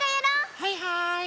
はいはい。